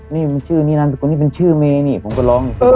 นี่มันชื่อนี่นั้นสกุลนี่เป็นชื่อเมนี่ผมก็ร้องเออ